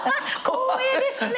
光栄ですね。